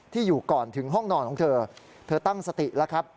อยู่ก่อนถึงห้องนอนของเธอเธอตั้งสติแล้วครับ